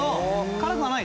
辛くはない？